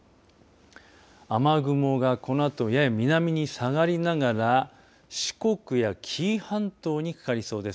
雨雲がこのあとやや南に下がりながら四国や紀伊半島にかかりそうです。